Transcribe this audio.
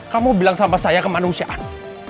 kamu bilang sama saya kemanusiaan